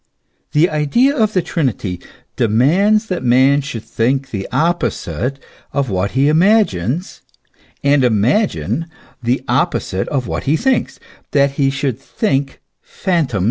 The idea of the Trinity demands that man should think the opposite of what he imagines, and imagine the opposite of what he thinks, that he should think phantoms realities.